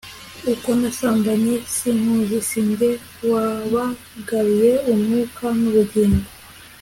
uko nabasamye sinkuzi; si jye wabagabiye umwuka n'ubugingo